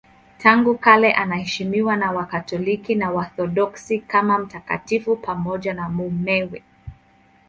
Tangu kale anaheshimiwa na Wakatoliki na Waorthodoksi kama mtakatifu pamoja na mumewe.